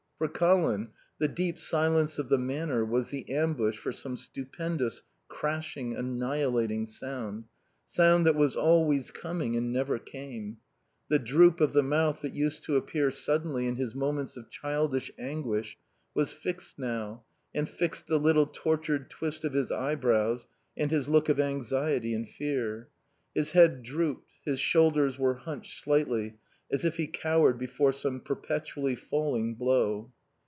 For Colin the deep silence of the Manor was the ambush for some stupendous, crashing, annihilating sound; sound that was always coming and never came. The droop of the mouth that used to appear suddenly in his moments of childish anguish was fixed now, and fixed the little tortured twist of his eyebrows and his look of anxiety and fear. His head drooped, his shoulders were hunched slightly, as if he cowered before some perpetually falling blow.